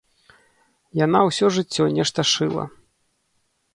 Яна ўсё жыццё нешта шыла.